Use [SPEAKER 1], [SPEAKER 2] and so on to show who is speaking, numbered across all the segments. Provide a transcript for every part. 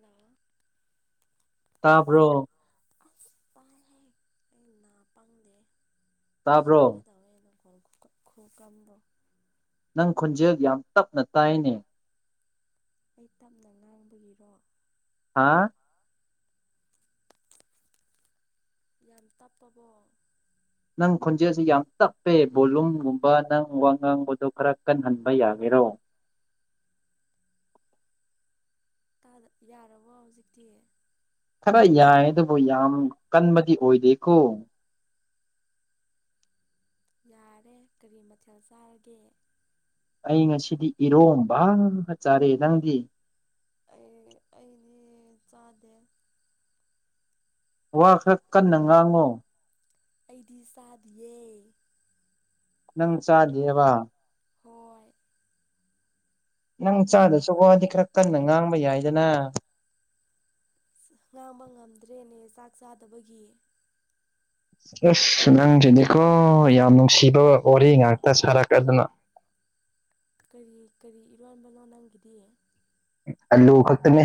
[SPEAKER 1] ꯍ
[SPEAKER 2] ꯇꯥꯕ꯭ꯔꯣ
[SPEAKER 1] ꯑꯁ ꯄꯥꯡꯉꯦ ꯑꯩ ꯅꯥ ꯄꯥꯡꯗꯦ ꯁꯤꯒꯦ
[SPEAKER 2] ꯇꯥꯕ꯭ꯔꯣ
[SPEAKER 1] ꯇꯧꯋꯦ ꯑꯗꯨꯝ ꯈꯨꯨ ꯀꯝꯝꯕ
[SPEAKER 2] ꯅꯪ ꯈꯨꯣꯟꯖꯦꯜ ꯌꯥꯝ ꯇꯞꯅ ꯇꯥꯏꯅꯦ
[SPEAKER 1] ꯑꯩ ꯇꯞꯅ ꯉꯥꯡꯕꯒꯤꯔꯣ
[SPEAKER 2] ꯍꯥꯥ
[SPEAKER 1] ꯌꯥꯝ ꯇꯞꯄꯕꯣ
[SPEAKER 2] ꯅꯪ ꯈꯣꯟꯖꯦꯜꯁꯤ ꯌꯥꯝ ꯇꯞꯄꯦ ꯕꯣꯂꯨꯝꯒꯨꯝꯕ ꯅꯪ ꯋꯥ ꯉꯥꯡꯕꯗꯣ ꯈꯔ ꯀꯟꯍꯟꯕ ꯌꯥꯒꯦ ꯂꯧꯣꯑꯣ
[SPEAKER 1] ꯌꯥꯔꯕꯣ ꯍꯧꯖꯤꯛꯇꯤ
[SPEAKER 2] ꯈꯔ ꯌꯥꯏ ꯑꯗꯨꯕꯨ ꯌꯥꯝ ꯀꯟꯕꯗꯤ ꯑꯣꯏꯗꯦꯀꯣ
[SPEAKER 1] ꯌꯥꯔꯦ ꯀꯔꯤ ꯃꯊꯦꯜ ꯆꯥꯔꯒꯦ
[SPEAKER 2] ꯑꯩ ꯉꯁꯤꯗꯤ ꯏꯔꯣꯕꯒ ꯆꯔꯦ ꯅꯪꯗꯤ
[SPEAKER 1] ꯑꯩ ꯑꯩꯗꯤ ꯆꯥꯗꯦ
[SPEAKER 2] ꯋꯥ ꯈꯔ ꯀꯟꯅ ꯉꯥꯡꯉꯨ
[SPEAKER 1] ꯑꯩꯗꯤ ꯆꯥꯗꯌꯦ
[SPEAKER 2] ꯅꯪ ꯆꯖꯦꯕꯥ
[SPEAKER 1] ꯍꯣꯏ
[SPEAKER 2] ꯅꯪ ꯆꯥꯗꯁꯨ ꯋꯥꯗꯤ ꯈꯔ ꯀꯟꯅ ꯉꯥꯡꯕ ꯌꯥꯏꯗꯅ
[SPEAKER 1] ꯉꯥꯡꯕ ꯉꯝꯗ꯭ꯔꯦꯅꯦ ꯆꯥꯛ ꯆꯥꯗꯕꯒꯤ
[SPEAKER 2] ꯑꯁ ꯅꯪꯁꯤꯗꯤꯀꯣ ꯌꯥꯝ ꯅꯨꯡꯁꯤꯕ ꯋꯥꯔꯤ ꯉꯥꯛꯇ ꯁꯥꯔꯛꯀꯗꯅ [inaudible]
[SPEAKER 1] ꯀꯔꯤ ꯀꯔꯤ ꯏꯔꯣꯟꯕꯅꯣ ꯅꯪꯒꯤꯗꯤ
[SPEAKER 2] ꯑꯜꯂꯨ ꯈꯛꯇꯅꯦ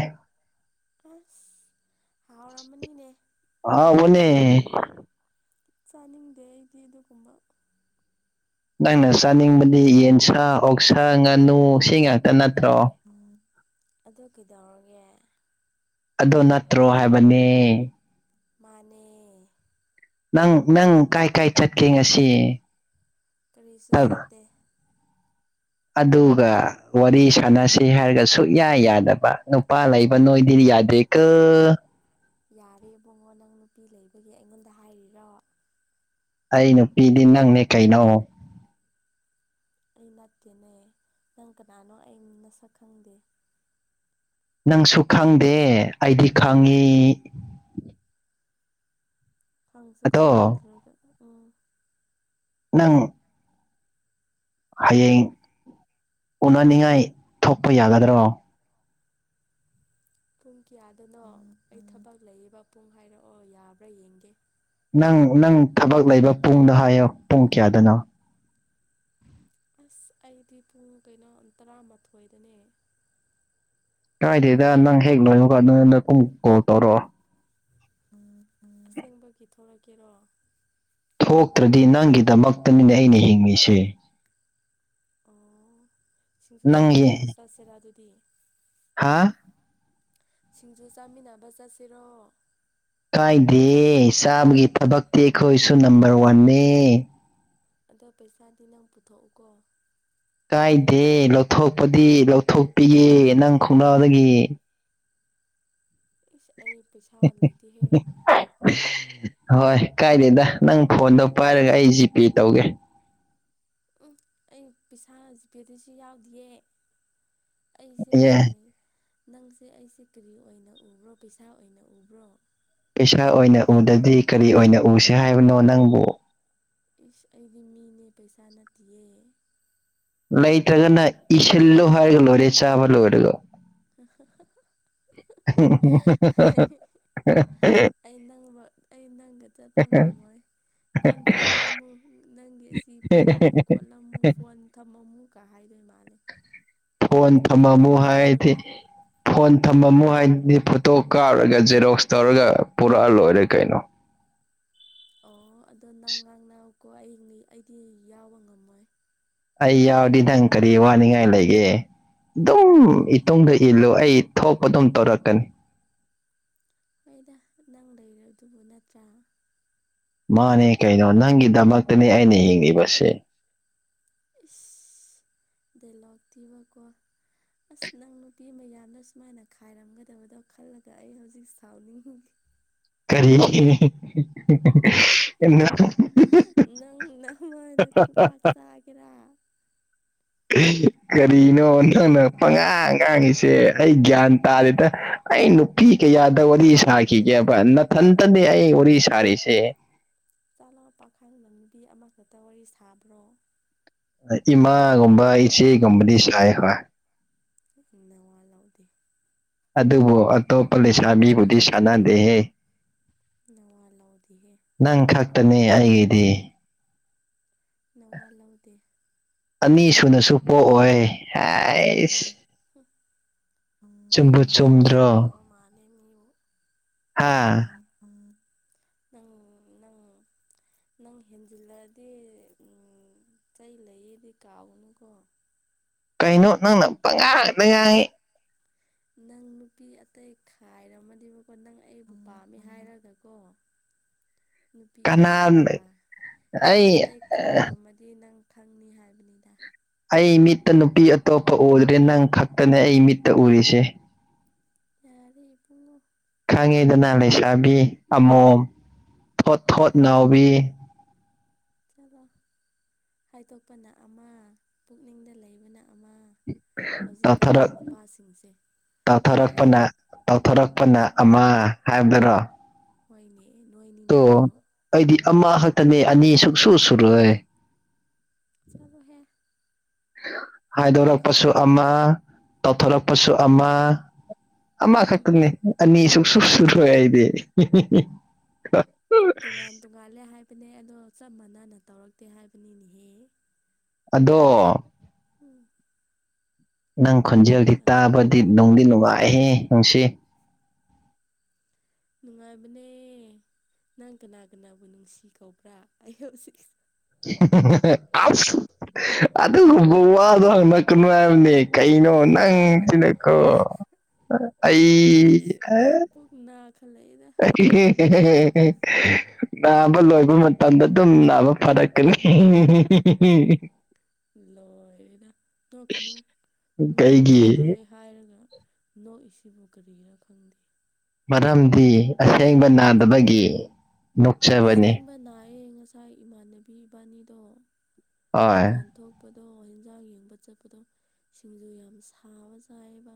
[SPEAKER 1] ꯑꯁ ꯍꯥꯎꯔꯝꯃꯅꯤꯅꯦ
[SPEAKER 2] ꯎꯝ
[SPEAKER 1] ꯆꯥꯅꯤꯡꯗꯦ ꯑꯩꯗꯤ ꯑꯗꯨꯒꯨꯝꯕ
[SPEAKER 2] ꯅꯪꯅ ꯆꯥꯅꯤꯡꯕꯗꯤ ꯌꯦꯟꯁꯥ ꯑꯣꯛꯁꯥ ꯉꯥꯅꯨ ꯁꯤ ꯉꯥꯛꯇ ꯅꯠꯇ꯭ꯔꯣ
[SPEAKER 1] ꯒꯤ
[SPEAKER 2] ꯑꯣ ꯅꯠꯇ꯭ꯔꯣ ꯍꯥꯏꯕꯅꯦ
[SPEAKER 1] ꯃꯥꯅꯦ
[SPEAKER 2] ꯅꯪ ꯅꯪ ꯀꯥꯏ ꯀꯥꯏ ꯆꯠꯀꯦ ꯉꯁꯤ
[SPEAKER 1] ꯀꯔꯤꯁꯨ ꯆꯠꯇꯦ
[SPEAKER 2] ꯑꯗꯨꯒ ꯋꯥꯔꯤ ꯁꯥꯟꯅꯁꯤ ꯍꯥꯏꯔꯒ ꯁꯨꯛꯌꯥ ꯌꯥꯗꯕ ꯅꯨꯄꯥ ꯂꯩꯕ ꯅꯣꯏꯗꯤ ꯌꯥꯗ ꯀ
[SPEAKER 1] ꯌꯥꯔꯦ ꯏꯕꯨꯡꯉꯣ ꯅꯪ ꯅꯨꯄꯤ ꯂꯩꯕꯒꯤ ꯑꯩꯉꯣꯟꯗ ꯍꯥꯏꯔꯤꯔꯣ
[SPEAKER 2] ꯑꯩ ꯅꯨꯄꯤꯗꯤ ꯅꯪꯅꯦ ꯀꯩꯅꯣ
[SPEAKER 1] ꯑꯩ ꯅꯠꯇꯦꯅꯦ ꯅꯪ ꯀꯅꯥꯅꯣ ꯑꯩ ꯅ ꯁꯛ ꯈꯪꯗꯦ
[SPEAKER 2] ꯅꯪꯁꯨ ꯈꯪꯗꯦ ꯑꯩꯗꯤ ꯈꯪꯉꯤ
[SPEAKER 1] ꯈꯪꯁꯨ
[SPEAKER 2] ꯑꯗꯣ
[SPEAKER 1] ꯈꯪꯗ꯭ꯔꯒ ꯎꯝ
[SPEAKER 2] ꯅꯪ ꯍꯌꯦꯡ ꯎꯅꯅꯤꯡꯉꯥꯏ ꯊꯣꯛꯄ ꯌꯥꯒꯗ꯭ꯔꯣ
[SPEAKER 1] ꯄꯨꯡ ꯀꯌꯥꯗꯅꯣ ꯑꯩ ꯊꯕꯛ ꯂꯩꯌꯦꯕ ꯄꯨꯡ ꯍꯥꯏꯔꯛꯑꯣ ꯌꯥꯕ꯭ꯔꯥ ꯌꯦꯡꯒꯦ
[SPEAKER 2] ꯅꯪ ꯅꯪ ꯊꯕꯛ ꯂꯩꯕ ꯄꯨꯡꯅꯣ ꯍꯥꯏꯌꯣ ꯄꯨꯡ ꯀꯌꯥꯗꯅꯣ
[SPEAKER 1] ꯑꯁ ꯑꯩꯗꯤ ꯄꯨꯡ ꯀꯩꯅꯣ ꯇꯔꯥꯃꯥꯊꯣꯏꯗꯅꯦ
[SPEAKER 2] ꯀꯥꯏꯗꯦꯗ ꯅꯪ ꯍꯦꯛ ꯂꯣꯏꯅꯣꯀ ꯅ ꯅ ꯀꯨꯝ ꯀꯣꯜ ꯇꯧꯔꯛꯑꯣ
[SPEAKER 1] ꯎꯝ ꯎꯝ ꯆꯦꯡꯕꯒꯤ ꯊꯣꯛꯂꯛꯀꯦꯔꯣ
[SPEAKER 2] ꯊꯣꯛꯇ꯭ꯔꯗꯤ ꯅꯪꯒꯤꯗꯃꯛꯇꯅꯤꯅꯦ ꯑꯩꯅ ꯍꯤꯡꯂꯤꯁꯤꯦ
[SPEAKER 1] ꯑꯣ ꯁꯤꯡꯁꯨ ꯆꯥꯃꯤꯟꯅꯕ ꯆꯠꯁꯤꯔꯥ ꯑꯗꯨꯗꯤ
[SPEAKER 2] ꯍꯥꯥ
[SPEAKER 1] ꯁꯤꯡꯖꯨ ꯆꯥꯃꯤꯟꯅꯕ ꯆꯠꯁꯤꯔꯣ
[SPEAKER 2] ꯀꯥꯏꯗꯦ ꯆꯥꯕꯒꯤ ꯊꯕꯛꯇꯤ ꯑꯩꯈꯣꯏꯁꯨ ꯅꯝꯕꯔ ꯋꯥꯟꯅꯦ
[SPEAKER 1] ꯑꯗꯣ ꯄꯩꯁꯥꯗꯤ ꯅꯪ ꯄꯨꯊꯣꯛꯎꯀꯣ
[SPEAKER 2] ꯀꯥꯏꯗꯦ ꯂꯧꯊꯣꯛꯄꯗꯤ ꯂꯧꯊꯣꯛꯄꯤꯒꯦ ꯅꯪ ꯈꯣꯡꯅꯥꯎꯗꯒꯤ
[SPEAKER 1] ꯏꯁ ꯑꯩ ꯄꯩꯁꯥ ꯂꯩꯗꯤꯍꯦ
[SPEAKER 2] ꯍꯣꯏ ꯀꯥꯏꯗꯦꯗ ꯅꯪ ꯐꯣꯟꯗꯣ ꯄꯥꯏꯔꯒ ꯑꯩ ꯖꯤꯄꯦ ꯇꯧꯒꯦ
[SPEAKER 1] ꯎꯝ ꯑꯩ ꯄꯩꯁꯥ ꯖꯤꯄꯦꯗꯁꯨ ꯌꯥꯎꯗꯌꯦ ꯑꯩꯁꯦ
[SPEAKER 2] ꯑꯦ
[SPEAKER 1] ꯅꯪꯁꯦ ꯑꯩꯁꯦ ꯀꯔꯤ ꯑꯣꯏꯅ ꯎꯕ꯭ꯔꯣ ꯄꯩꯁꯥ ꯑꯣꯏꯅ ꯎꯕ꯭ꯔꯣ
[SPEAKER 2] ꯏꯁꯥ ꯑꯣꯏꯅ ꯎꯗꯗꯤ ꯀꯔꯤ ꯑꯣꯏꯅ ꯎꯁꯤꯦ ꯍꯥꯏꯕꯅꯣ ꯅꯪꯕꯨ
[SPEAKER 1] ꯏꯁ ꯑꯩꯗꯤ ꯃꯤꯅꯦ ꯄꯩꯁꯥ ꯅꯠꯇꯦꯌꯦ
[SPEAKER 2] ꯂꯩꯇ꯭ꯔꯒꯅ ꯏꯁꯤꯜꯂꯣ ꯍꯥꯏꯔꯒ ꯂꯣꯏꯔꯦ ꯆꯥꯕ ꯂꯣꯏꯔꯒ
[SPEAKER 1] ꯁ
[SPEAKER 2] [unintelligible]
[SPEAKER 1] ꯑꯩ ꯅꯪ ꯑꯩ ꯅꯪꯒ ꯆꯠꯄ ꯉꯝꯃꯣꯏ ꯀꯣꯟ ꯊꯦꯡꯉꯝꯃꯨ ꯅꯪꯒꯤ ꯑꯁꯤ ꯄꯤꯔꯝꯃꯨ ꯈꯣꯠꯂꯝꯃꯨ ꯐꯣꯟ ꯊꯝꯃꯝꯃꯨ ꯀꯥꯏꯗꯔ ꯃꯥ
[SPEAKER 2] ꯐꯣꯟ ꯊꯝꯃꯝꯃꯨ ꯍꯥꯏꯔꯗꯤ
[SPEAKER 1] ꯗꯨꯀꯥꯟꯗꯔꯗꯨꯅ
[SPEAKER 2] ꯐꯣꯟ ꯃꯃꯣ ꯍꯥꯏꯗꯤ ꯐꯣꯇꯣ ꯀꯥꯞꯔꯒ ꯖꯦꯔꯣꯛꯁ ꯇꯧꯔꯒ ꯄꯨꯔꯛꯑ ꯂꯣꯏꯔꯦ ꯀꯩꯅꯣ
[SPEAKER 1] ꯑꯣ ꯑꯗꯣ ꯅꯪ ꯉꯥꯡꯅꯀꯣ ꯑꯩ ꯑꯩꯗꯤ ꯌꯥꯎꯕ ꯉꯝꯃꯣꯏ
[SPEAKER 2] ꯑꯩ ꯌꯥꯎꯗꯤ ꯅꯪ ꯀꯔꯤ ꯋꯥꯅꯤꯡꯉꯥꯏ ꯂꯩꯒꯦ ꯑꯗꯨꯝ ꯏꯇꯨꯡꯗ ꯏꯜꯂꯨ ꯑꯩ ꯊꯣꯛꯄ ꯑꯗꯨꯝ ꯇꯧꯔꯛꯀꯅꯤ
[SPEAKER 1] ꯑꯩꯗ ꯅꯪ ꯂꯩꯔꯦ ꯑꯗꯨꯕꯨ ꯅꯠꯇ꯭ꯔꯥ
[SPEAKER 2] ꯃꯥꯅꯦ ꯀꯩꯅꯣ ꯅꯪꯒꯤꯗꯃꯛꯇꯅꯤ ꯑꯩꯅ ꯍꯤꯡꯂꯤꯕꯁꯦ
[SPEAKER 1] ꯗꯂꯞ ꯇꯤꯀ ꯑꯁ ꯅꯪ ꯅꯨꯄꯤ ꯃꯌꯥꯝꯗ ꯁꯨꯃꯥꯏꯅ ꯈꯥꯏꯔꯝꯒꯗꯕꯗꯣ ꯈꯜꯂꯒ ꯑꯩ ꯍꯧꯖꯤꯛ ꯁꯥꯎꯅꯤꯡꯦ
[SPEAKER 2] ꯀꯔꯤꯟꯅ
[SPEAKER 1] ꯅꯪ ꯅꯉꯗ ꯀ ꯄ ꯆꯒꯔ
[SPEAKER 2] ꯀꯔꯤꯅꯣ ꯅꯪꯅ ꯄꯉꯥꯡ ꯉꯥꯡꯉꯁꯤꯦ ꯁꯦ ꯑꯩ ꯒ꯭ꯌꯥꯟ ꯇꯥꯗꯦꯗ ꯑꯩ ꯅꯨꯄꯤ ꯀꯌꯥꯗ ꯋꯥꯔꯤ ꯁꯥꯈꯤꯒꯦꯕ ꯍ ꯅꯊꯟꯇꯗꯤꯦ ꯑꯩ ꯎꯔꯤ ꯁꯥꯔꯤꯁꯦ
[SPEAKER 1] ꯆꯥꯂ ꯄꯥꯈꯪ ꯂꯝ ꯅꯨꯕꯤ ꯑꯃꯈꯛꯇ ꯋꯥꯔꯤ ꯁꯥꯕ꯭ꯔꯣ
[SPEAKER 2] ꯏꯃꯥꯒꯨꯝꯕ ꯏꯆꯦꯒꯨꯝꯕꯗꯤ ꯁꯥꯏ ꯍꯣꯏ
[SPEAKER 1] ꯅꯋꯥ ꯂꯧꯗꯦ
[SPEAKER 2] ꯑꯗꯨꯕꯨ ꯑꯇꯣꯞꯄ ꯂꯩꯁꯥ ꯃꯤꯕꯨꯗꯤ ꯁꯥꯟꯅꯗꯦꯍꯦ
[SPEAKER 1] ꯅꯋꯥ ꯂꯧꯥꯎꯗꯤꯦ
[SPEAKER 2] ꯈꯠꯇꯅꯦ ꯑꯩꯒ ꯏꯗꯤ
[SPEAKER 1] ꯅꯋꯥ ꯂꯧꯗꯦ
[SPEAKER 2] ꯑꯅꯤ ꯁꯨꯅꯁꯨ ꯄꯣꯛꯑꯣꯏ ꯍꯥꯏꯁ
[SPEAKER 1] ꯍ
[SPEAKER 2] ꯆꯨꯝꯕ ꯆꯨꯝꯗ꯭ꯔ
[SPEAKER 1] ꯃꯥꯜꯂꯦ ꯃꯤꯕꯨ
[SPEAKER 2] ꯍꯥꯥ
[SPEAKER 1] ꯅꯪ ꯅꯪ ꯅꯪ ꯍꯦꯟꯖꯤꯜꯂꯛꯗꯤ ꯎ ꯆꯩ ꯂꯩꯌꯦꯗꯤ ꯀꯥꯎꯒꯅꯨꯀꯣ
[SPEAKER 2] ꯀꯩꯅꯣ ꯅꯪꯅ ꯄꯉꯥꯡꯅ ꯌꯥꯡꯏꯤ
[SPEAKER 1] ꯅꯪ ꯅꯨꯄꯤ ꯑꯇꯩ ꯈꯥꯏꯔꯝꯃꯅꯦꯕꯀꯣ ꯅꯪ ꯑꯩꯕꯨ ꯄꯥꯝꯃꯦ ꯍꯥꯏꯔꯒꯀꯣ
[SPEAKER 2] [unintelligible]
[SPEAKER 1] ꯅꯨꯄꯤ
[SPEAKER 2] ꯀꯅꯥ
[SPEAKER 1] ꯑꯇꯩ ꯈꯥꯏ ꯅꯨꯄꯤ
[SPEAKER 2] ꯑꯩ
[SPEAKER 1] ꯑꯇꯩ ꯈꯥꯏꯔꯝꯃꯗꯤ ꯅꯪ ꯈꯪꯅꯤ ꯍꯥꯏꯕꯅꯤꯗ
[SPEAKER 2] ꯑꯩ ꯃꯤꯠꯇ ꯅꯨꯄꯤ ꯑꯇꯣꯞꯄ ꯎꯗ꯭ꯔꯦ ꯅꯪ ꯈꯛꯇꯅꯦ ꯑꯩ ꯃꯤꯠꯇ ꯎꯔꯤꯁꯦ
[SPEAKER 1] ꯑꯔꯦ ꯏꯕꯨ
[SPEAKER 2] ꯈꯪꯉꯤꯗꯅ ꯂꯩꯁꯥꯕꯤ ꯑꯃꯣꯝ ꯊꯣꯠ ꯊꯣꯠ
[SPEAKER 1] ꯆꯠꯂꯣꯍꯦ
[SPEAKER 2] ꯅꯥꯎꯕꯤ
[SPEAKER 1] ꯆꯠꯂꯣ ꯍꯥꯏꯗꯣꯛꯄꯅ ꯑꯃ ꯄꯨꯛꯅꯤꯡꯗ ꯂꯩꯕꯅ ꯑꯃ
[SPEAKER 2] ꯇꯧꯊꯔꯛ
[SPEAKER 1] ꯍꯧꯖꯤꯛꯀꯥꯟꯒꯤ ꯅꯨꯄꯥꯁꯤꯡꯁꯦ ꯇꯜꯂꯦ
[SPEAKER 2] ꯊꯣꯔꯛꯄꯅ ꯑꯃ ꯍꯥꯏꯕꯗꯔꯣ
[SPEAKER 1] ꯍꯣꯏꯅꯦ ꯅꯣꯏꯅꯤꯅꯦ
[SPEAKER 2] ꯇꯣ
[SPEAKER 1] ꯑꯗꯣ
[SPEAKER 2] ꯑꯩꯗꯤ ꯑꯃꯈꯛꯇꯅꯦ ꯑꯅꯤ ꯁꯨꯛꯁꯨ ꯁꯨꯔꯣꯏ
[SPEAKER 1] ꯆꯂꯣꯍꯦ
[SPEAKER 2] ꯍꯥꯏꯗꯣꯔꯛꯄꯁꯨ ꯑꯃ ꯇꯧꯊꯣꯔꯛꯄꯁꯨ ꯑꯃ ꯑꯃ ꯈꯛꯇꯅꯦ ꯑꯅꯤꯁꯨꯛ ꯁ ꯁꯨꯔꯣꯏ ꯍꯥꯏꯗꯤ
[SPEAKER 1] ꯇꯣꯉꯥꯟ ꯇꯣꯉꯥꯜꯂꯦ ꯍꯥꯏꯕꯅꯦ ꯑꯗꯣ ꯆꯞ ꯃꯥꯟꯅꯅ ꯇꯧꯔꯛꯇꯦ ꯍꯥꯏꯕꯅꯤꯅꯦꯍꯦ
[SPEAKER 2] ꯑꯗꯣ
[SPEAKER 1] ꯎꯝ
[SPEAKER 2] ꯅꯪ
[SPEAKER 1] ꯀꯔꯤ
[SPEAKER 2] ꯈꯣꯟꯖꯦꯜꯗꯤ
[SPEAKER 1] ꯑꯗꯣ
[SPEAKER 2] ꯇꯥꯕꯗꯤ ꯅꯨꯡꯗꯤ ꯅꯨꯡꯉꯥꯏꯍꯦ ꯅꯨꯡꯁꯤ
[SPEAKER 1] ꯅꯨꯡꯉꯥꯏꯕꯅꯤꯅꯦ ꯅꯪꯒꯅꯅꯥꯒ ꯅꯕꯨ ꯅꯅꯨꯡꯁꯤ ꯀꯥꯎꯕ꯭ꯔꯥ ꯑ ꯍꯧ ꯁꯤ
[SPEAKER 2] ꯑꯗꯨꯒꯨꯝꯕ ꯋꯥꯗꯣ ꯍꯪꯉꯛꯀꯅꯨ ꯍꯥꯏꯕꯅꯦ ꯀꯩꯅꯣ ꯅꯪ ꯇꯅꯀꯣ ꯑꯩ
[SPEAKER 1] ꯑꯁ ꯑꯩ ꯄꯨꯛ ꯅꯥꯈꯠꯂꯛꯏꯗ
[SPEAKER 2] [inaudible] ꯅꯥꯕ ꯂꯣꯏꯕ ꯃꯇꯝꯗ ꯑꯗꯨꯝ ꯅꯥꯕ ꯐꯥꯔꯛꯀꯅꯤ
[SPEAKER 1] ꯂꯣꯏꯔꯦꯗ ꯅꯣꯏ ꯀꯩꯅꯨ ꯃꯤꯅ
[SPEAKER 2] ꯀꯩꯒꯤ
[SPEAKER 1] ꯄꯨꯨ ꯅꯥꯑ ꯍꯥꯏꯔꯒ ꯅꯣ ꯏꯕꯨꯣ ꯀꯔꯤꯔ ꯈꯪꯗ
[SPEAKER 2] ꯃꯔꯝꯗꯤ ꯑꯁꯦꯡꯕ ꯅꯥꯗꯕꯒꯤ ꯅꯣꯛꯆꯕꯅꯤ
[SPEAKER 1] ꯑꯁꯦꯡꯕ ꯅꯥꯏꯌꯦꯦ ꯉꯁꯥꯏ ꯏꯃꯥꯟꯅꯕꯤ ꯏꯕꯥꯅꯤꯗꯣ
[SPEAKER 2] ꯍꯣꯏ
[SPEAKER 1] ꯗꯨꯀꯥꯟ ꯊꯣꯛꯄ ꯑꯗꯣ ꯌꯦꯟꯖꯥꯡ ꯌꯦꯡꯕ ꯆꯠꯄꯗꯣ ꯁꯤꯡꯖꯨ ꯌꯥꯝ ꯁꯥꯕ ꯆꯥꯏꯑꯕ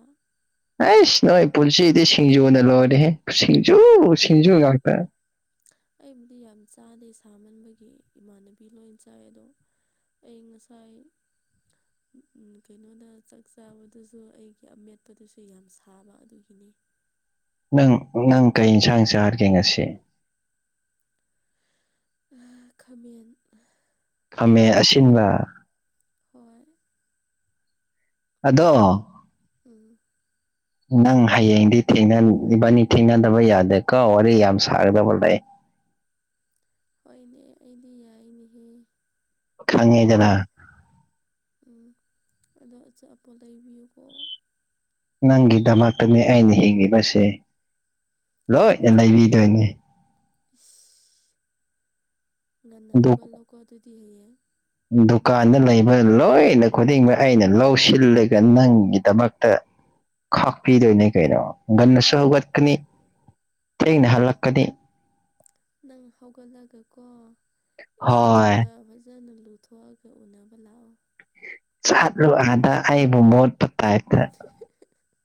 [SPEAKER 2] ꯑꯁ ꯅꯣꯏ ꯄꯨꯁꯤꯗꯤ ꯁꯤꯖꯕꯅ ꯂꯧꯔꯦ ꯍꯦ
[SPEAKER 1] ꯑꯩꯕꯨꯗꯤ ꯑꯩꯕꯨꯗꯤ ꯌꯥꯝ ꯆꯥꯗꯦ ꯊꯥꯃꯟꯕꯒꯤ ꯏꯃꯥꯟꯅꯕꯤ ꯂꯣꯏ ꯆꯥꯏ ꯑꯗꯣ ꯑꯩ ꯉꯁꯥꯏ ꯀꯩꯅꯣꯗ ꯆꯥꯛ ꯆꯥꯕꯗꯨꯁꯨ ꯑꯩꯒꯤ ꯑꯃꯃꯦꯠꯄꯗꯨꯁꯨ ꯌꯥꯝ ꯁꯥꯕ ꯑꯗꯨꯒꯤꯅꯤ
[SPEAKER 2] ꯅꯪ ꯅꯪ ꯀꯩ ꯏꯟꯁꯥꯡ ꯆꯥꯒꯦ ꯉꯁꯤ
[SPEAKER 1] ꯈꯥꯃꯦꯟ
[SPEAKER 2] ꯈꯥꯃꯦꯟ
[SPEAKER 1] ꯄꯨꯨꯡꯁꯁꯥꯏ
[SPEAKER 2] ꯑꯁꯤꯟꯕ
[SPEAKER 1] ꯍꯣꯏ
[SPEAKER 2] ꯑꯗꯣ
[SPEAKER 1] [unintelligible]
[SPEAKER 2] ꯅꯪ ꯍꯌꯦꯡꯗꯤ ꯊꯦꯡꯅꯕꯅꯤ ꯊꯦꯡꯅꯗꯕ ꯌꯥꯗꯦꯀꯣ ꯋꯥꯔꯤ ꯌꯥꯝ ꯁꯥꯒꯗꯕ ꯂꯩ [inaudible]
[SPEAKER 1] ꯍꯣꯏꯅꯦ ꯑꯩꯗꯤ ꯌꯥꯏꯅꯦꯍꯦ ꯑꯗꯣ
[SPEAKER 2] ꯈꯪꯉꯤꯗꯅ
[SPEAKER 1] ꯎꯝ ꯑꯗ ꯆ ꯄꯣ ꯂꯩꯕꯤꯌꯨ ꯀ
[SPEAKER 2] ꯅꯪꯒꯤꯗꯃꯛꯇꯅꯤ ꯑꯩꯅ ꯍꯤꯡꯂꯤꯤꯕꯁꯦ ꯂꯣꯏ
[SPEAKER 1] ꯑꯆꯥ
[SPEAKER 2] ꯂꯩꯕꯤꯗꯣꯏꯅꯦ
[SPEAKER 1] [inaudible] ꯉꯟꯅ
[SPEAKER 2] ꯗꯨ-
[SPEAKER 1] ꯍꯥꯎꯒꯠꯂꯣꯀꯣ ꯑꯗꯨꯗꯤ ꯍꯌꯦꯡ
[SPEAKER 2] ꯗꯨꯀꯥꯟꯗ ꯂꯩꯕ ꯂꯣꯏꯅ ꯈꯨꯗꯤꯡꯃꯛ ꯑꯩꯅ ꯂꯧꯁꯤꯜꯂꯒ ꯅꯪꯒꯤꯗꯃꯛꯇ ꯈꯥꯛꯄꯤꯗꯣꯏꯅꯦ ꯀꯩꯅꯣ ꯉꯒꯟꯅꯁꯨ ꯍꯧꯒꯠꯀꯅꯤ ꯊꯦꯡꯅ ꯍꯜꯂꯛꯀꯅꯤ
[SPEAKER 1] ꯅꯪ ꯍꯧꯎꯒꯠꯂꯒꯀꯣ
[SPEAKER 2] ꯍꯣꯏ
[SPEAKER 1] ꯏꯁꯤꯡꯒ ꯐꯖꯅ ꯂꯨꯊꯣꯛ ꯑꯒ ꯎꯟꯅꯕ ꯂꯥꯛꯑꯣ꯫
[SPEAKER 2] ꯆꯠꯂꯨ ꯑꯗꯥ ꯑꯩꯕꯨ ꯃꯣꯠꯄ ꯇꯥꯏꯞꯇ꯫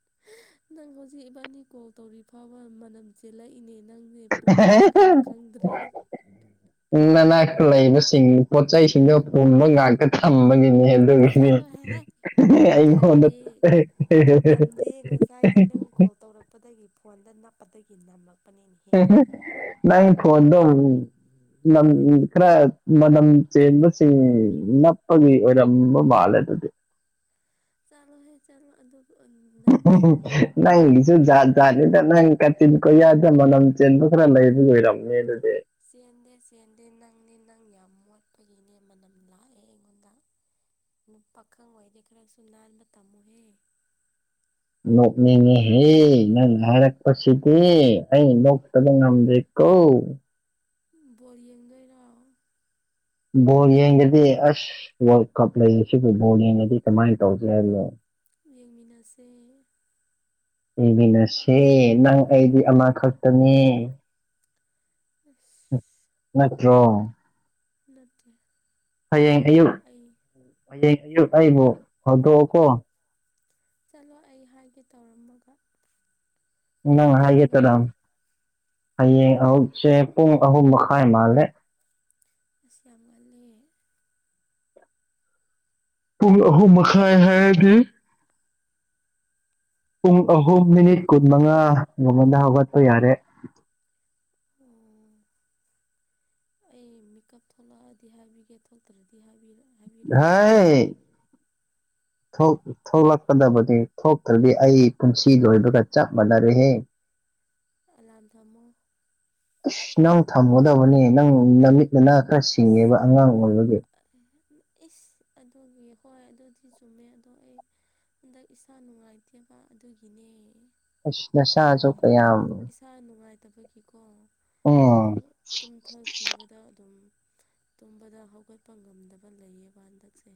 [SPEAKER 1] [inaudible] ꯅꯪ ꯍꯧꯖꯤꯛ ꯏꯕꯥꯅꯤ ꯀꯣꯜ ꯇꯧꯔꯤ ꯐꯥꯎꯕ ꯃꯅꯝ ꯆꯦꯜꯂꯛꯏꯅꯦ꯫ ꯅꯪꯁꯦ ꯄꯨꯝꯕ꯭ꯔꯥ ꯀꯩꯅꯣ ꯈꯪꯗ꯭ꯔꯦ
[SPEAKER 2] ꯍꯦꯍꯦꯍꯦꯍꯥ [inaudible] ꯂꯩꯕꯁꯤꯡ ꯄꯣꯠ ꯆꯩꯁꯤꯡ ꯑ ꯄꯣꯕ ꯉꯥꯛꯇ ꯊꯝꯕꯒꯤꯅꯤ [inaudible]
[SPEAKER 1] ꯆꯥꯂꯣꯍꯦ ꯀꯔꯤ ꯅꯝꯗꯦ ꯉꯁꯥꯏꯗꯤ ꯅꯪ ꯀꯣꯜ ꯇꯧꯔꯛꯄꯗꯒꯤ ꯐꯣꯟꯗ ꯅꯞꯄꯗꯒꯤ ꯅꯝꯂ꯫
[SPEAKER 2] ꯍꯦ ꯍꯦ ꯅꯪ ꯐꯣꯟꯗꯣ [inaudible] ꯈꯔ ꯃꯅꯝ ꯆꯦꯟꯕꯁꯤꯡ ꯅꯞꯄꯒꯤ ꯑꯣꯏꯔꯝꯕ ꯃꯥꯜꯂꯦ ꯗꯨꯗꯤ꯫
[SPEAKER 1] ꯆꯂꯣ ꯍꯦ ꯆꯂꯣ ꯑꯗꯨ ꯅꯠꯇꯦ
[SPEAKER 2] [inaudible]
[SPEAKER 1] ꯎꯝ
[SPEAKER 2] ꯅꯪꯒꯤꯖꯨ ꯖꯥꯠ ꯖꯥꯠ ꯅꯦꯗ ꯅꯪ ꯀꯥꯆꯤꯟ ꯀꯣꯌꯥꯗꯦ ꯃꯅꯝ ꯆꯦꯟꯕ ꯈꯔ ꯂꯩꯕꯩ ꯑꯣꯏꯔꯝꯅꯦ ꯗꯨꯗꯤ
[SPEAKER 1] ꯆꯦꯟꯗꯦ ꯆꯦꯟꯗꯦ ꯅꯪꯅꯦ ꯅꯪ ꯌꯥꯝ ꯃꯣꯠꯄꯒꯤꯅꯦ ꯃꯅꯝ ꯂꯥꯛꯑꯦ ꯑꯩꯉꯣꯟꯗ ꯄꯥꯈꯪ ꯑꯣꯏꯗꯤ ꯈꯔ ꯁꯨ ꯅꯥꯟꯕ ꯇꯝꯃꯨꯍꯦ
[SPEAKER 2] ꯅꯣꯛꯅꯤꯡꯉꯤꯍꯦ ꯅꯪ ꯍꯥꯏꯔꯛꯄꯁꯤꯗꯤ ꯑꯩ ꯅꯣꯛꯇꯕ ꯉꯝꯗꯦ ꯀꯣ
[SPEAKER 1] ꯕꯣꯜ ꯌꯦꯡꯗꯣꯏꯔꯣ-
[SPEAKER 2] ꯕꯣꯜ ꯌꯦꯡꯗꯗꯤ ꯑꯁ ꯋꯥꯔꯜ ꯀꯞ ꯂꯩ ꯁꯤꯕꯨ ꯕꯣꯜ ꯌꯦꯡꯉꯗꯤ ꯀꯃꯥꯏꯟ ꯇꯧꯒꯦ [inaudible]
[SPEAKER 1] ꯌꯦꯡꯃꯤꯟꯅꯁꯦ
[SPEAKER 2] ꯌꯦꯃꯤꯟꯅꯁꯦ ꯅꯪ ꯑꯩꯗꯤ ꯑꯃꯈꯛꯇꯅꯦ
[SPEAKER 1] ꯎꯐ
[SPEAKER 2] ꯅꯠꯇ꯭ꯔꯣ
[SPEAKER 1] ꯅꯠꯇꯦ
[SPEAKER 2] ꯍꯌꯦꯡ ꯑꯌꯨꯛ
[SPEAKER 1] ꯑꯩ
[SPEAKER 2] ꯍꯌꯦꯡ ꯑꯌꯨꯛ ꯑꯩꯕꯨ ꯍꯧꯗꯣꯛꯀꯣ
[SPEAKER 1] ꯆꯠꯂꯣ ꯑꯩ ꯍꯥꯏꯒꯦ ꯇꯧꯔꯝꯃꯒ ꯄꯨꯡ
[SPEAKER 2] ꯅꯪ ꯍꯥꯢꯒꯦ
[SPEAKER 1] ꯀꯌꯥꯗꯅꯣ
[SPEAKER 2] ꯇꯧꯔꯝ ꯍꯌꯦꯡ ꯑꯍꯨꯛꯁꯦ ꯄꯨꯡ ꯑꯍꯨꯝ ꯃꯈꯥꯏ ꯃꯥꯜꯂꯦ
[SPEAKER 1] ꯑꯁ ꯌꯥꯝ ꯉꯜꯂꯤ
[SPEAKER 2] ꯄꯨꯡ ꯑꯍꯨꯝ ꯃꯈꯥꯏ ꯍꯥꯏꯗꯤ ꯄꯨꯡ ꯑꯍꯨꯝ ꯃꯤꯅꯤꯠ ꯀꯨꯟꯃꯉꯥ ꯃꯉꯣꯟꯗ ꯍꯧꯒꯠꯄ ꯌꯥꯔꯦ
[SPEAKER 1] ꯑꯣ
[SPEAKER 2] [unintelligible]
[SPEAKER 1] ꯑꯩ ꯃꯤꯀꯞ ꯊꯣꯛꯂꯛꯑꯗꯤ ꯍꯥꯏꯕꯤꯒꯦ ꯊꯣꯛꯇꯗꯤ ꯍꯥꯏꯕꯤꯔ
[SPEAKER 2] ꯍꯥꯏ ꯊꯣꯛ ꯊꯣꯛꯂꯛꯀꯗꯕꯅꯦ ꯊꯣꯛꯇ꯭ꯔꯗꯤ ꯑꯩ ꯄꯨꯟꯁꯤ ꯂꯣꯏꯕꯒ ꯆꯞ ꯃꯥꯟꯅꯔꯦꯍꯦ
[SPEAKER 1] ꯑꯂꯥꯟ ꯊꯝꯃꯣ
[SPEAKER 2] ꯑꯁ ꯅꯪ ꯊꯝꯒꯗꯕꯅꯦ ꯅꯪ ꯅꯃꯤꯠ ꯅꯅꯥ ꯈꯔ
[SPEAKER 1] ꯑꯁ
[SPEAKER 2] ꯁꯤꯡꯉꯦꯕ ꯑꯉꯥꯡ ꯑꯣꯏꯕꯒꯤ
[SPEAKER 1] ꯏꯁ ꯑꯗꯨꯒꯤ ꯍꯣꯏ ꯑꯗꯨꯗꯤ ꯆꯨꯝꯃꯦ ꯑꯗꯣ ꯑꯩ ꯍꯟꯗꯛ ꯏꯁꯥ ꯅꯨꯡꯉꯥꯏꯇꯦꯕ ꯑꯗꯨꯒꯤꯅꯦ
[SPEAKER 2] ꯑꯁ ꯅꯁꯥꯁꯨ ꯀꯌꯥꯝ
[SPEAKER 1] ꯇꯕꯒꯤꯀꯣ ꯑꯩꯗꯣ
[SPEAKER 2] ꯎꯝ
[SPEAKER 1] ꯇꯨꯝꯊꯈꯤꯕꯗ ꯑꯗꯨꯝ ꯇꯨꯝꯕꯗ ꯍꯧꯒꯠꯄ ꯉꯝꯗꯕ ꯂꯩꯌꯦꯕ ꯍꯟꯗꯛꯁꯦ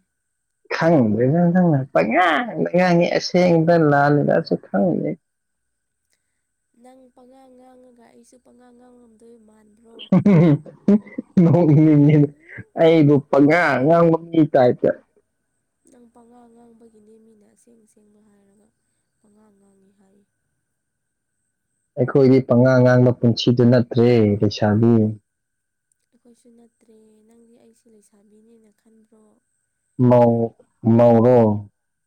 [SPEAKER 2] ꯈꯪꯗ꯭ꯔꯦꯗ ꯅꯪꯅ ꯄꯪꯉꯥꯡ ꯉꯥꯡꯉꯦ ꯑꯁꯦꯡꯗ ꯂꯥꯜꯂꯤꯗꯁꯨ ꯈꯪꯉ [inaudible]
[SPEAKER 1] ꯅꯪ ꯄꯉꯥꯡ ꯉꯥꯡꯉꯒ ꯑꯩꯁꯨ ꯄꯉꯥꯡ ꯉꯥꯡꯉꯝꯗꯣꯏ ꯃꯥꯜ
[SPEAKER 2] ꯍꯨꯡ ꯍꯨꯡ ꯍꯨꯡ ꯍꯨ ꯅꯣꯛꯅꯤꯡꯉꯦ
[SPEAKER 1] ꯎꯝ
[SPEAKER 2] ꯑꯩꯕꯨ ꯄꯪꯉꯥꯡ ꯍꯉꯥꯡ ꯀꯥꯏ ꯆꯦ
[SPEAKER 1] ꯅꯪ ꯄꯥꯉꯥꯡ ꯉꯥꯡꯕꯒꯤꯅꯦ ꯃꯤꯅ ꯑꯁꯦꯡ ꯑꯁꯦꯡꯕ ꯍꯥꯏꯔꯒ ꯑꯣꯅꯥꯥꯡꯅꯥꯅꯤ ꯍꯥꯏꯔꯤ
[SPEAKER 2] ꯑꯩꯈꯣꯏꯗꯤ ꯄꯉꯥꯡ ꯉꯥꯡꯕ ꯄꯨꯟꯁꯤꯗꯨ ꯅꯠꯇ꯭ꯔꯦ ꯂꯩꯁꯥꯕꯤ
[SPEAKER 1] ꯑꯩꯈꯣꯏꯁꯨ ꯅꯠꯇ꯭ꯔꯦ ꯅꯪꯗꯤ ꯑꯩꯁꯤꯦ ꯂꯩꯁꯥꯕꯤꯅꯦꯅ ꯈꯟꯕ꯭ꯔꯣ
[SPEAKER 2] ꯔꯣ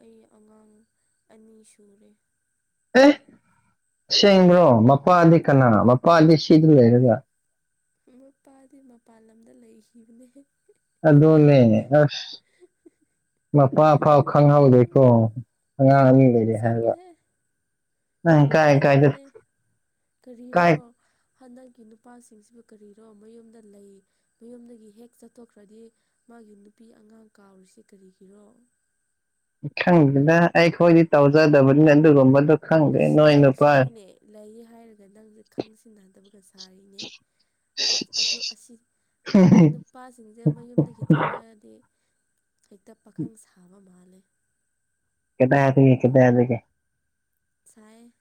[SPEAKER 1] ꯑꯩ ꯑꯉꯥꯡ ꯑꯅꯤ ꯁꯨꯔꯦ
[SPEAKER 2] ꯑꯦ ꯁꯦꯡꯕ꯭ꯔꯣ ꯃꯄꯥꯗꯤ ꯀꯅꯥ ꯃꯄꯥꯗꯤ ꯁꯤꯗ ꯂꯩꯔꯒ
[SPEAKER 1] ꯃꯣꯏꯄꯥꯗꯤ ꯃꯄꯥꯟ ꯂꯝꯗ ꯂꯩꯈꯤꯕꯅꯦ
[SPEAKER 2] ꯑꯗꯨꯗꯣꯅꯦ ꯑꯁ ꯃ ꯄꯥ ꯐꯥꯎ
[SPEAKER 1] ꯎꯝ
[SPEAKER 2] ꯈꯪꯍꯧꯗꯦꯀꯣ ꯑꯉꯥꯡ ꯑꯅꯤ ꯂꯩꯔꯦ ꯍꯥꯏꯔꯒ
[SPEAKER 1] ꯆꯠꯂꯣꯍꯦ ꯈꯪꯕꯅꯦ ꯀꯔꯤꯔꯣ
[SPEAKER 2] ꯀꯥꯏ
[SPEAKER 1] ꯍꯟꯗꯛꯀꯤ ꯅꯨꯄꯥꯁꯤꯡꯁꯤꯕꯨ ꯀꯔꯤꯅꯣ ꯃꯌꯨꯝꯗ ꯂꯩ ꯃꯌꯨꯝꯗꯒꯤ ꯍꯦꯛ ꯆꯠꯊꯣꯛꯈ꯭ꯔꯗꯤ ꯃꯥꯒꯤ ꯅꯨꯄꯤ ꯑꯉꯥꯡ ꯀꯥꯎꯔꯤꯁꯦ ꯀꯔꯤꯒꯤꯔꯣ
[SPEAKER 2] ꯈꯪꯗꯅ ꯑꯩꯈꯣꯏꯗꯤ ꯇꯧꯖꯗꯕꯅꯤꯅ ꯑꯗꯨꯒꯨꯝꯕꯗꯨ
[SPEAKER 1] ꯏꯁ ꯅꯪꯁꯨꯅꯤꯅꯦ ꯂꯩ ꯍꯥꯏꯔꯒ ꯅꯪꯁꯦ ꯈꯪꯖꯤꯟꯅꯗꯕꯒ ꯁꯥꯔꯤꯅꯦ ꯑ ꯑꯗꯨ ꯑꯁꯤ ꯅꯨꯄꯥꯁꯤꯡꯁꯦ ꯃꯣꯏ ꯌꯨꯝꯗꯒꯤ ꯊꯣꯡꯉꯛꯑꯗꯤ ꯍꯦꯛꯇ ꯄꯥꯈꯪ ꯁꯥꯕ ꯃꯥꯜꯂꯦ
[SPEAKER 2] ꯀꯗꯁꯤꯒꯦ ꯀꯗ ꯌꯥꯗꯒꯦ
[SPEAKER 1] ꯁꯥꯏ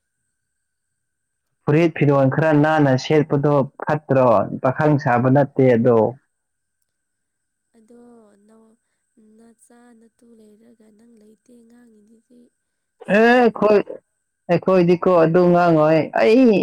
[SPEAKER 2] ꯐꯨꯔꯤꯠ ꯐꯤꯔꯣꯜ ꯈꯔ ꯅꯥꯟꯅ ꯁꯦꯠꯄꯗꯣ ꯐꯠꯇ꯭ꯔꯣ ꯄꯥꯈꯪ ꯁꯥꯕ ꯅꯠꯇꯦ ꯑꯗꯣ [inaudible]
[SPEAKER 1] ꯑꯗꯣ ꯅ ꯅꯆꯥꯥ ꯅ ꯇꯨ ꯂꯩꯔꯒ ꯅꯪ ꯂꯩꯇꯦ ꯉꯉꯥꯡꯉꯤꯗꯨꯗꯤ
[SPEAKER 2] ꯑꯦꯦ ꯑꯩꯈꯣꯏ ꯑꯩꯈꯣꯏꯗꯤꯀꯣ ꯑꯗꯨ ꯉꯥꯡꯉꯣꯏ ꯑꯩ